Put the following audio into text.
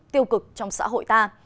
tiêu cực trong xã hội ta